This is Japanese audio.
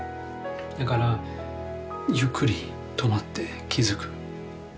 だからゆっくり止まって気付く。